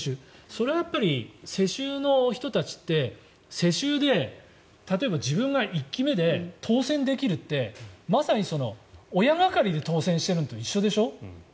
それはやっぱり世襲の人たちって世襲で、例えば自分が１期目で当選できるってまさに親掛かりで当選してるのと一緒でしょ？